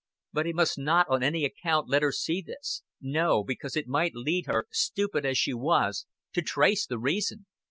But he must not on any account let her see this no, because it might lead her, stupid as she was, to trace the reason.